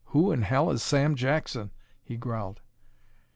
"Who in hell is Sam Jackson?" he growled.